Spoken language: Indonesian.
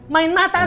main mata sama nuni